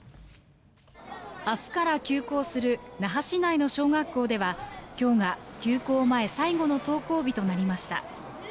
明日から休校する那覇市内の小学校では今日が休校前最後の登校日となりました。